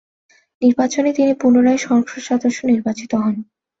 নির্বাচনে তিনি পুনরায় সংসদ সদস্য নির্বাচিত হন।